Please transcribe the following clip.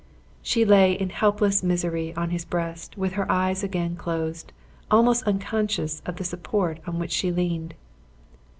She lay in hopeless misery on his breast, with her eyes again closed, almost unconscious of the support on which she leaned.